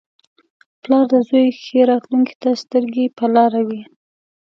• پلار د زوی ښې راتلونکې ته سترګې په لاره وي.